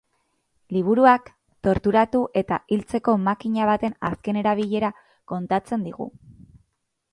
Liburuak torturatu eta hiltzeko makina baten azken erabilera kontatzen digu.